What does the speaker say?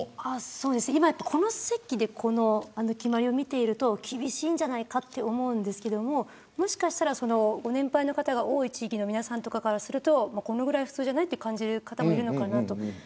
今、この席でこの決まりを見ていると厳しいんじゃないかと思うんですがもしかしたらご年配の方が多い地域の皆さんとかからするとこのぐらい普通じゃないと感じる方もいるのかなと。